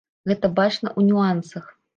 Гэта бачна ў нюансах.